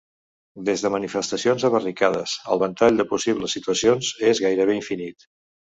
Des de manifestacions a barricades, el ventall de possibles situacions és gairebé infinit.